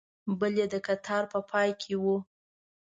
بل یې د کتار په پای کې و.